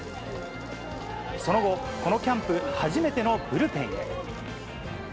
その後、このキャンプ初めてのブルペンへ。